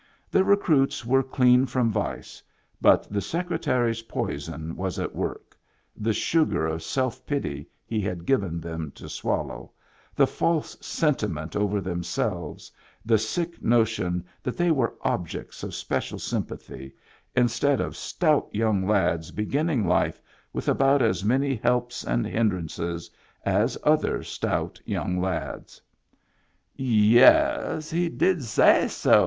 The recruits were clean from vice, but the Secretary's poison was at work, the sugar of self pity he had given them to swallow, the false sentiment over themselves, the sick notion they were objects of special sympathy, instead of stout young lads beginning life with about as many helps and hindrances as other stout young lads. Digitized by Google I02 MEMBERS OF THE FAMILY "Yes, he did say so!"